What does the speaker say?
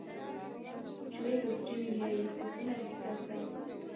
جویل اوسټین وایي خوبونه ریښتیا کړئ.